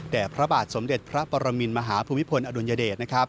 แต่พระบาทสมเด็จพระปรมินมหาภูมิพลอดุลยเดช